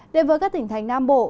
đến với các tỉnh thành nam bộ